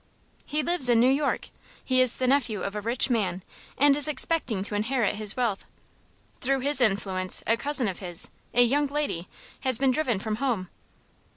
"He lives in New York. He is the nephew of a rich man, and is expecting to inherit his wealth. Through his influence a cousin of his, a young lady, has been driven from home."